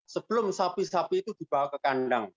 sebelum sapi sapi itu dibawa ke kandang